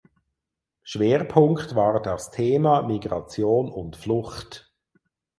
Schwerpunkt war das Thema Migration und Flucht.